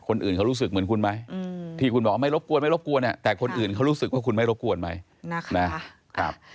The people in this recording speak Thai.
คนอื่นเขารู้สึกเหมือนคุณไหมที่คุณบอกว่าไม่รบกวนไม่รบกวนเนี่ยแต่คนอื่นเขารู้สึกว่าคุณไม่รบกวนไหมนะครับ